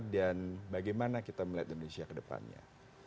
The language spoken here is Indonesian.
dan bagaimana kita melihat indonesia ke depannya